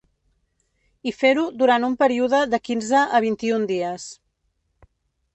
I fer-ho durant un període de quinze a vint-i-un dies.